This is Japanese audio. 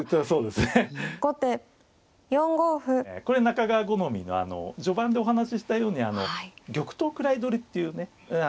これ中川好みのあの序盤でお話ししたように玉頭位取りっていうね